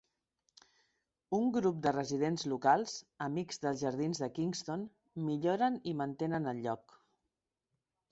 Un grup de residents locals, amics dels jardins de Kingston, milloren i mantenen el lloc.